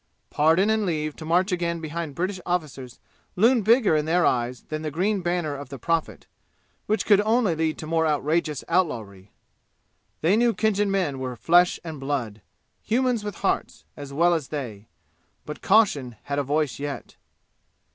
Pardon and leave to march again behind British officers loomed bigger in their eyes than the green banner of the Prophet, which could only lead to more outrageous outlawry. They knew Khinjan men were flesh and blood humans with hearts as well as they. But caution had a voice yet.